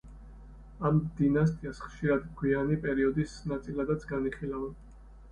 ამ დინასტიას ხშირად გვიანი პერიოდის ნაწილადაც განიხილავენ.